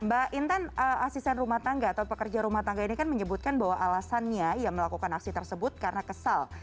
mbak intan asisten rumah tangga atau pekerja rumah tangga ini kan menyebutkan bahwa alasannya ia melakukan aksi tersebut karena kesal